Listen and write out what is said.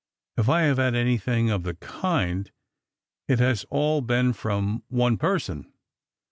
If I have had anything of the kind, it has all been from one person.